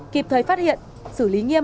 kịp thời phát hiện xử lý nghiêm